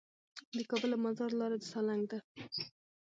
د کابل او مزار لاره د سالنګ ده